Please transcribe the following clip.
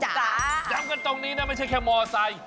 จ้ะจำกันตรงนี้น่ะไม่ใช่แค่มอเซอร์ไซด์